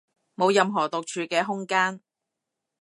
冇任何獨處嘅空間